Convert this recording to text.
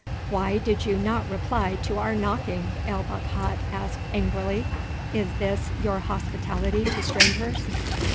"Why did you not reply to our knocking?" El Bakhat asked angrily. "Is this your hospitality to strangers?"